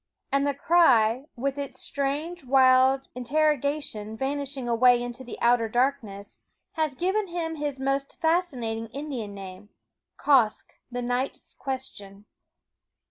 And the cry, with its strange, wild interrogation vanishing away into the outer darkness, has given him his most fascinating Indian name, Quoskh the Night's Question.